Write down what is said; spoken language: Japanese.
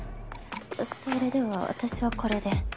それでは私はこれで。